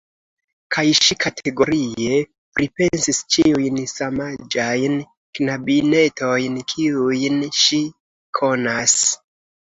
Kaj ŝi kategorie pripensis ĉiujn samaĝajn knabinetojn kiujn ŝi konas.